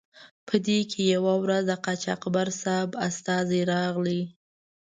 په دې کې یوه ورځ د قاچاقبر صاحب استازی راغی.